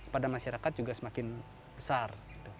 pada masyarakat juga semakin besar